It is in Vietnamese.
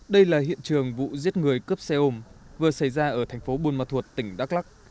đây là hiện trường vụ giết người cướp xe ôm vừa xảy ra ở thành phố buôn ma thuột tỉnh đắk lắc